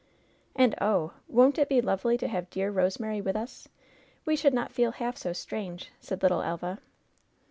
"And, oh ! won't it be lovely to have dear Rosemary with us ? We should not feel half so strange,*' said little Elva.